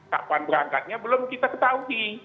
kapan berangkatnya belum kita ketahui